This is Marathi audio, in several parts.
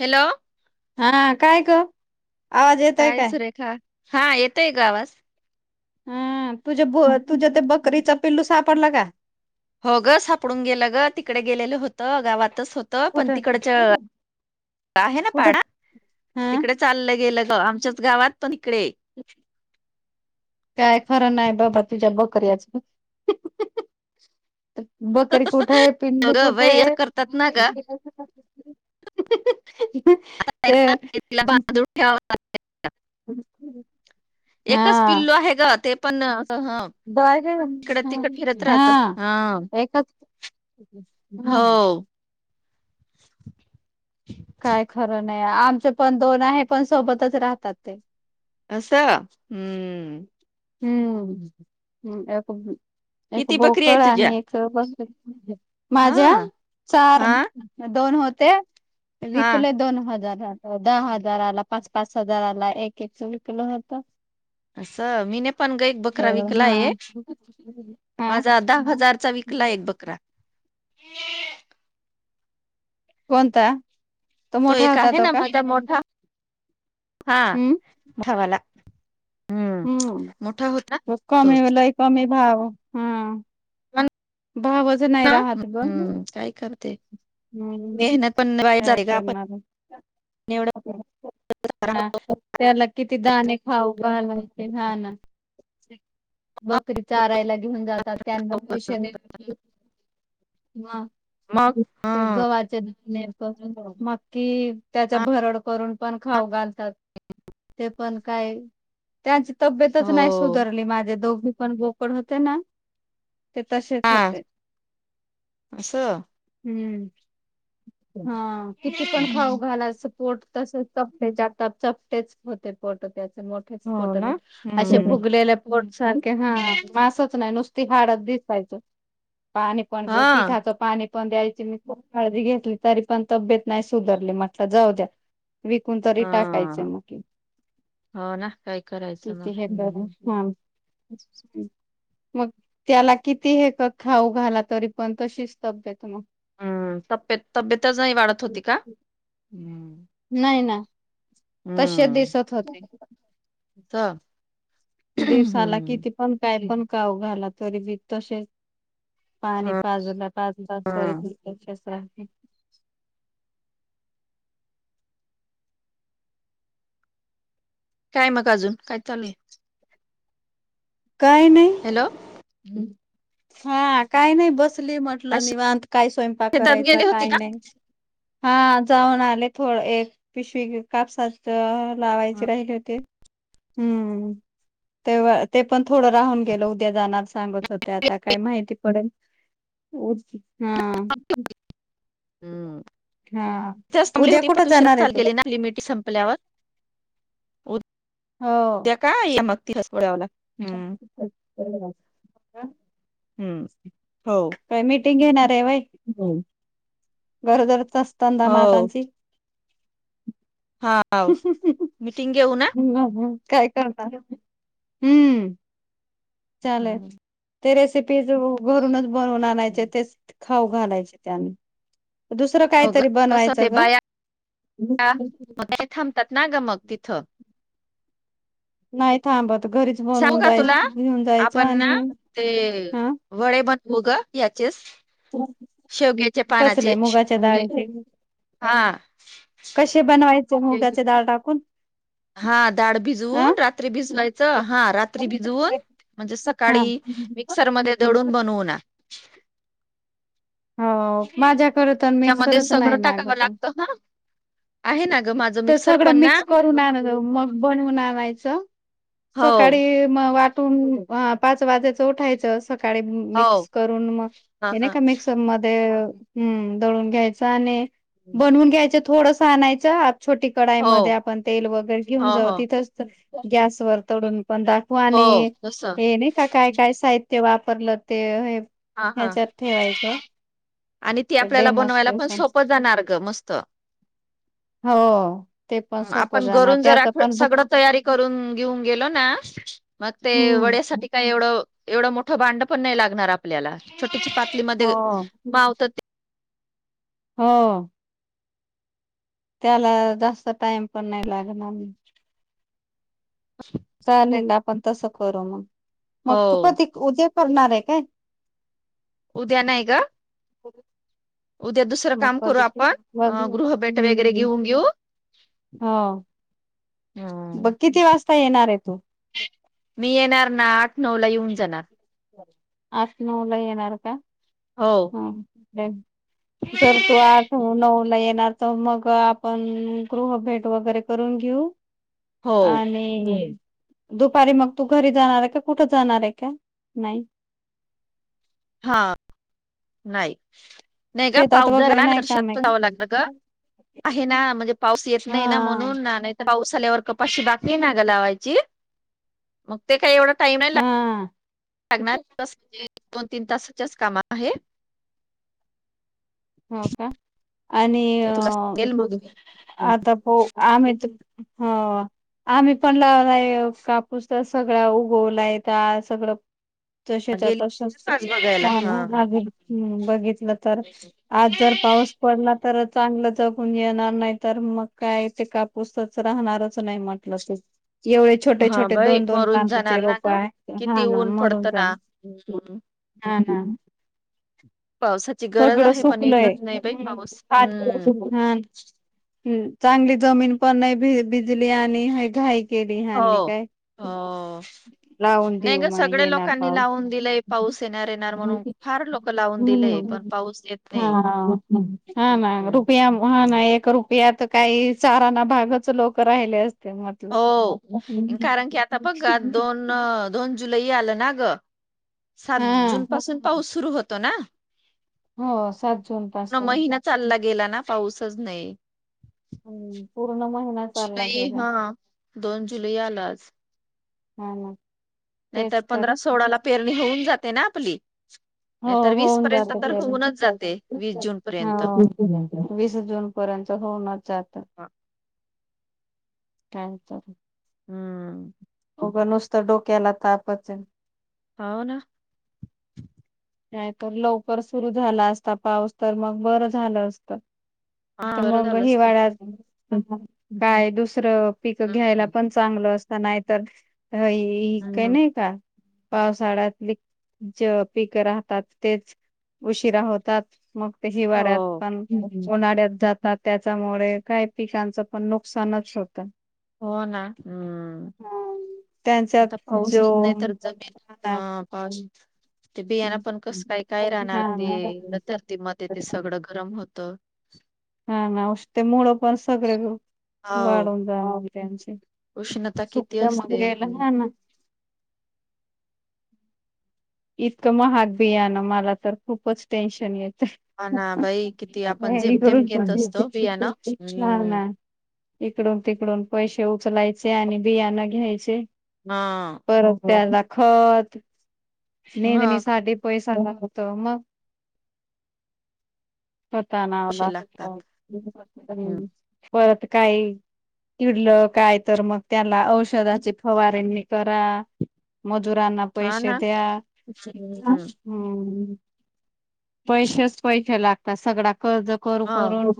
हॅलो. हा काय ग? आवाज येतय काय सुरेखा हा येतय ग आवाज. अं तुझ्या ब तुझ्या ते बकरीचा पिल्लू सापडला का? हो ग सापडून गेलं ग तिकडे गेलेलं होतं गावात. हितच होत पण कुठं तिकड आहे ना कुठं पाडा हा तिकडे चाललं गेलं आमच्याच गावात पण इकडे काय खरं नाही बाबा तुझ्या बघ खऱ्याच अहं अहं बकरी कुठे आहे? हो पिंदू ग कुठे बाई असं आहे? करतात ना ग आहे त ना, अहं तिला अहं बांधून ठेवा [unintelligible] एकच पिल्लू आहे ग ते पण बाय ग इकडं तिकड फिरत हा राहत हा एकच हो हम्म. [unintelligible] काय खरं नाही आमच पण दोन आहे पण सोबतच राहतात ते. अस हम्म. हम्म. एक एक किती बकरी आहे बोकड तुझ्या आणि एक हा माझ्या चार, हा दोन होत्या. हा विकले दोन हजार. दहा हजाराला पाच, पाच हजाराला एक, एक विकल होत. अस मी न पण ग एक बकरा विकला हा आहे. हा माझा दहा हजारचा विकला एक बक अकरा. कोणता? तो मोठा एक होता आहे तो ना का? माझा मोठा हा हम्म. मोठावाला हम्म. मोठा होता त कमी तोच लय कमी भाव. हम्म. पण भावाचं नाही राहत ग. हम्म काय करते हम्म मेहनत पण वयच काय आहे ग आपण. करणार एवढं [unintelligible] आराम हा त्याला किती दाणे खाऊ घालू बकरी चारायला घेऊन जातात त्यांना भविष्याने वा. मग ते हं गव्हाचे दणे पण मगकी त्याचा हा भरड करून पण खाऊ घालतात ते पण काय त्याच तब्येतच हो नाही सुधरली माझे दोघी पण [unintelligible] होते ना ते तसेच हा होते असं हम्म हा किती पण खाऊ हम्म. घालायचं पोट तसे चपटे जातात चपटेच होते फोटो त्यात मोठे हो पोट ना असे हम्म फुगलेल्या पोट सारखे हा मासच नाही नुसत ति हाडत दिसायचं पाणी पण हा पिठाचं पाणी पण द्यायचं मी खूप काळजी घेतली तरी पण तब्येत नाही सुधरली म्हटलं जाऊ द्या. विकून तरी टाकायचं हा मग हो ना काय करायचं किती मग हे करून हम् हा मग त्याला किती हे खाऊ घाला तरी पण तशीच तब्येत मग हम्म तब्येत तब्येत नाही वाढत होती का? नाही ना. तसेच हम्म दिसत होते. [unintelligible] दिवसाला हम्म किती पण, काय पण खाऊं घाला तरी बी तसेच हा [unintelligible] ह. काय मग अजून काय चालेूय काय नाही हॅलो! हा काय नाही बसली म्हटलं आज निवांत काय स्वयंपाक शेतात करायचा? गेले होते का काय नाही? हा जाऊन आले थोड एक पिशवी कापसा लावायचे राहिले होते हम्म तेव्हा ते पण थोडं राहून गेलं उद्या जाणार सांगत होत्या आता काय माहिती पडेल हा हम्म हा संपली उद्या होती पण कुठं जाणार दुषरात आहे चाल तू? गेली ना लिमिट संपल्यावर [inaudible] उद्या काय मग तिथ पळवला अछ हम्म. हो. मीटिंग घेणार हाय व्हय? गरोदर असता हो मातांची? हा ह मिटिंग घेऊ ना काय? हम्म हा चालेल ते रेसिपीज घरूनच बनवून आणायचे, तेच खाऊ घालायचे त्यानला. हो कस ते बाया थांबतात ना ग मग अ तिथ नाही थांबत. घरीच सांगू बनवून का जाय तुला? घेऊन जायचं आपण आणि ना ते हा वडे बन भोगा याचेच शेवग्याचे कसले पानाचे मुगाच्या म्हणजे डाळीचे हा कसे बनवायचे मुगाचे डाळ टाकून हा डाळ अ भिजवून, रात्री भिजवायचं. हा रात्री भिजवून म्हणजे हा सकाळी मिक्सरमध्ये दडून बनवना हो माझ्याकडे तर त्याच्यामध्ये मिक्सरच नाही सगळं ना ग टाकावं पण लागत हा आहे ना ग माझं ते मिक्सर सगळं पण ना मिक्स करून आण मग बनवून आणायचं हो. सकाळी मग वाटून पाच वाजेचं उठायचं सकाळी हो मिक्स करून मग हा हे नाही हा का मिक्सर मध्ये हम्म. दळून घ्यायचं आणि बनवून घ्यायचं थोडसं आणायचं आ छोटी कडाईमध्ये हो आपण तेल वगैरे घेऊन हो जाऊ, हो तिथंच गॅसवर करून पण दाखव हो आणि तसं हे हे नाही का? काय-काय साहि ते वापरलं ते हा हा. ह्याच्यात ठेवायचं आणि ती ते आपल्याला बनवायला पण डेमॉन्स्ट्रेशन सोपं जाणार ग मस्त हो. ते पण सोपं आपण जाणार घरून जरा त्याचं पण ब सगळं तयारी करून घेऊन गेलो ना मग ते हं, वड्यासाठी काय एवढं, एवढं मोठं भाडं पण नाही लागणार आपल्याला पातलीमध्ये हो. मावतात ते हा. त्याला जास्त टाइम पण नाही लागणार. चालेल ना आपण तसं करू मग हो मग तु कधी उद्या करणार हे काय? उद्या नाही गं. मग कधी आपण अं, गृहभेट वगैरे घेऊन हम्म हा. हम. तू मी येणार ना आत नऊ ला येऊन जाणार. आठ नउला येणार का? हो जर तो आठ नऊ ला येणार तर मग आपण गृह भेट वगैरे करून घेऊ हो आणि दुपारी मग तू घरी जाणार आहे का कुठं जाणार आहे का? नाही. हा नाही. नाही का शेतात वगैरे पावझरला नाही काम आहे वर्षातुन जावं का? लागत ग आहे ना म्हणजे पाऊस येत नाही ना हा म्हणून नाही तर पाऊस झ्यालावर कपाशी बाकी हे ना ग लावायची मग ते काही एवढा टाईम आहे ला हा लग्नात तसं दोन तीन तास जस्ट कामात आहे. हो का आणि ते तुला अ सांगेल मग मी. आता प आम्ही त हो आम्ही पण लावलाय कापूसच सगळा उगवलाय ता सगळं तसेच्या गेली तसंच तास बघायला हा ना [unintelligible] बघितलं तर आज जर पाऊस पडला तर चांगलं जगून येणार नाही तर मग काय ते कापूसच राह णारच नाही म्हटलं ते एवढे छोटे हा छोटे बाई दोन दोन मरून पानाचे जाणार ना रोप ग आहे हा किती ना ऊन मरून पडतं जा ना हम्म. हा हा पावसाची गरज आहे पण [unintelligible] येतच नाही बाई पाऊस हम्म जमीन पण नाही भिज भिजली आणि हाय घाई केली हो ह्यांनी काय हो लावून नाही देऊ ग म्हणे सगळ्या येणार लोकांनी पाऊस लावून दिलंय पाऊस येणार येणार म्हणून हम्म फार लोक लावून दिलेय पण पाऊस येत हा नाही. हा हा हम्म. रुपया ह ना एक रुपयात काही चारांना भागच लोक राहिले अस हो कारण की आता बघ दोन दोन जुलै आलं ना ग सात जून हा पासून पाऊस सुरू होतो ना. हो सात जून पूर्ण पासून महिना चालला गेला ना पाऊसच नाही. हम् पूर्ण महिना चालला जुलई गेला हा दोन जुलै आला आज आला नाहीतर पंधरा सोळा ला पेरणी होऊन जाते ना आपली नाही तर वीस पर्यंत तर होऊनच जाते. वीस जून हा पर्यंत. वीस जून पर्यंत होऊनच जातं काय तर हम्म. उगं नुसतं डोक्याला तापचय. हो ना. नाही तर लवकर सुरू झाला असता पाऊस. तर मग बरं झालं असत. हा तर बरं मग झालं असत हिवाळ्यात. ते. काय दुसरं पिक घ्यायला पण चांगलं असत. नाहीतर. ह, ह काही हम्म. नाही का. पावसाळ्यातली ज पीक. राहतात. तेच उशिरा होतात मग ते. हिवाळ्यात हो पण उन्हाळ्यात जात त्याच्यामुळे काही पिकांचं पण नुकसानच होतं. हो ना हम्म. त्यांच्यात आता पाऊसच जो नाही तर जमीन हा पाऊस. ते बियाना पण कसं काय-काय राहणार हा ते. ना धरती ते मध्ये ते सगळं गरम होतं. हा ना ते उष्णतेमुळ पण. सगळे हो वाढून जा त्यांचे. उष्णता किती सुकल्या असते मगेला हम्म. ह ना. इतकं महाग बियाणं. मला तर खूपच टेन्शन यातय. हा ना बाई किती आपण जेमतेम तिकडून घेत पण येते. आणि असतो तिकडून बियाणं पण येते हा हम्म ना. इकडून-तिकडून पैसे. उचलायचे. आणि बियाण घ्यायचे. हा परत त्याला, खत नेंदणी मग साठी पैसा आणावा होत तर मग. स्वतः आणावं पैसे लागतं. लागतात हम्म परत काही. किडल. काय तर मग त्याला औषधाची फवारणनी करा. मजुरांना हा पैसे ना द्या. हम्म हम्म पैशच पैसे लागतात सगळ कर्ज करू हा करून.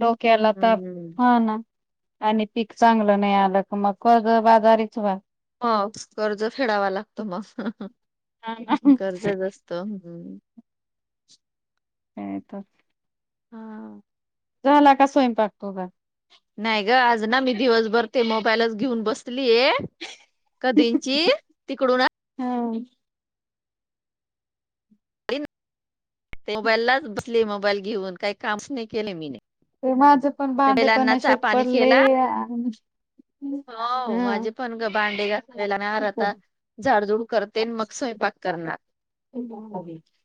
डोक्याला ताप हम्म हा ना, आणि पीक चांगलं नाही आलं की मग. कर्जबाजारीच व्हा. हो कर्ज फेडावा लागतो मग. काय कर्जच असत. काय तर. हा. झाला का स्वयंपाक तूजा? नाही ग. आज ना मी दिवसभर ते मोबाईलच घेऊन बसले. लीये कधींची तिकडू ना. हा ते मोबाईललाच बसले. मोबाईल घेऊन काही काम नाही केले मीने. ते माझे पण भांडे पण असेच पाणी पडले. केला आणि हो हा माझे पण ग भांडे घासनार आता. झाडजुड करते मग स्वयंपाक स्वयंपाक करणार.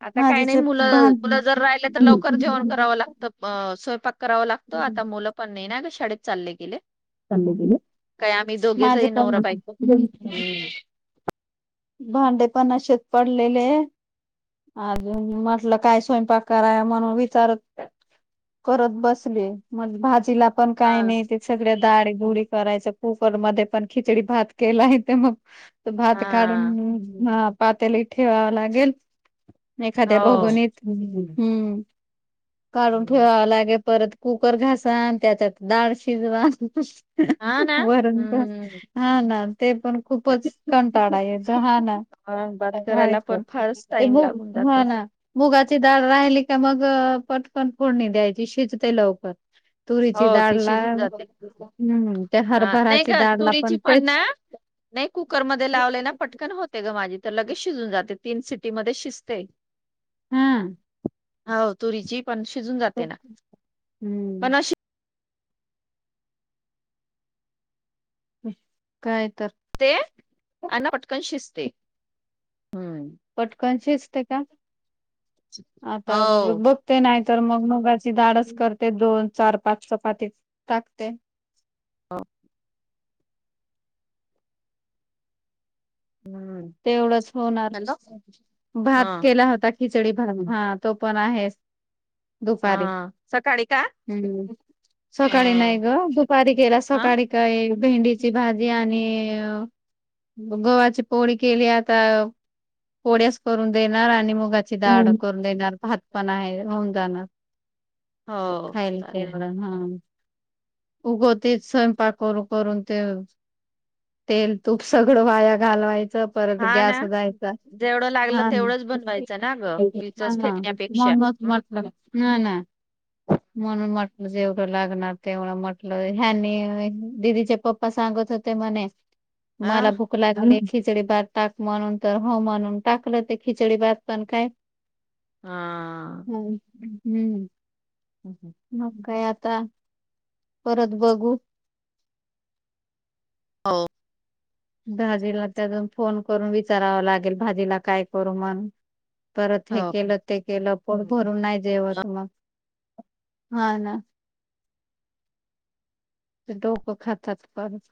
आता काही नाही माझेचे मुलं. भां मूल जर राहिलं तर लवकर जेवण करावं लागत स्वयपाक. कराव लागतो. आता मुलं पण नाही ना. शाळेत चालले गेले. काय आम्ही दोघेच माझ आहे नवरा पण, बायको [unintelligible] हम्म. भांडे पण असशेच पडलेले आहेत. अजून म्हटलं काय स्वयंपाक कराय म्हणून विचारत करत बसले. मग भाजीला पण काय हा नाही ते सगळ्यात दुरी करायच. कुकर मध्ये पण खिचडी भात केला येते मग. भात हा काढून पातेलात ठेवावा लागेल. एखाद्या हो भगोनीत, हम. काढून हम्म. ठेवाव लागे. परत कुकर घासा. त्याच्यात डाळ शिजवा., हा ना वरण-भात हम्म हा ना. ते पण खूपच कंटाळाच येतोय हा ना. औरंगाबाद करायला कायच पण फारच ते टाइम मुग लागून ह. जातो. ना. मुगाचे, डाळ राहिली का मग. पटकन फोडणी द्यायची शिजते लवकर. तुरीची हो डाळ, ती शिजून लाल, जाते. हम्म. त्यात हा नाही ग. तुरीची पणना. नाही कुकर मध्ये लावले ना पटकन होते ग माझी. तर लगेच शिजून जाते. तीन सिटी मध्ये शिजते. हा हो तुरीची पण शिजून जाते ना. हम्म पण अशी. काय तर. शिजते आणि ना. पटकन शिजते. हम्म ते का? आता ब हो बघते नाहीतर मग मुगाची डाळ करते दोन. चार-पाच चपाती टाकते. हां. हम्म तेवढच होणार, हॅलो भात हा केला होता. खिचडी भर भात हा तो पण आहेच. दुपारी हां सकाळी का [unintelligible] सकाळी नाही हा ग, दुपारी केला हा? सकाळी काय भेंडीची भाजी आणि अ गव्हाची पोळी केली आता पोळ्यास करून देणार आणि मग उडदाची दाड हम्म. करून देणार, भात पण आहे होऊन जाणार. हो खायल चालेल तेवढं हां. उगवतीच स्वयंपाक करून-करुन ते तेल, तूप सगळं वाया घालवायच. परत हा ना गॅस जायचा जेवढं लागलं हां तेवढंच बनवायचं ना ग विचच [unintelligible] फेकण्यापेक्षा हम्म म्हणून म्हटलं जेवढं लागणार तेवढं म्हटलं ह्यानी दीदीचे पप्पा सांग त होते म्हणे हा मला भूक लागली. खिचडी भात टाक म्हणून तर हो म्हणून टाकलं ते खिचडी भात पण काय हां. हम्म. हम्म. मग काय आ ता परत बघू? हो. भाजीला ते अजून फोन करून विचारावा लागेल, भाजीला काय करू म्हणुन परत हे हो. केलं, ते केलं. पण भरून नाही जेवत मग हा ना. ते डोकं खातात परत.